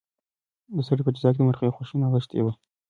د سړي په جزا کې د مرغۍ خوښي نغښتې وه.